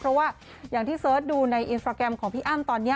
เพราะว่าอย่างที่เสิร์ชดูในอินสตราแกรมของพี่อ้ำตอนนี้